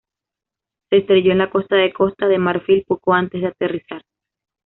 Se estrelló en la costa de Costa de Marfil poco antes de aterrizar.